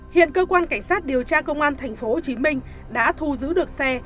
hiện cơ quan cảnh sát điều tra công an tp hcm đã thu giữ được xe